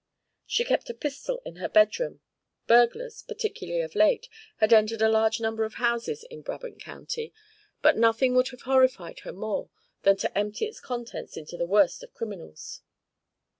She kept a pistol in her bedroom; burglars, particularly of late, had entered a large number of houses in Brabant County; but nothing would have horrified her more than to empty its contents into the worst of criminals.